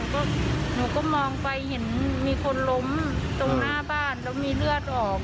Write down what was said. คนล้มตรงหน้าบ้านและมีเลือดออก